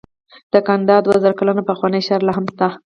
د کندهار دوه زره کلن پخوانی ښار لاهم شته